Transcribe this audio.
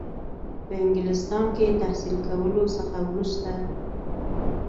په انګلستان کې تحصیل کولو څخه وروسته.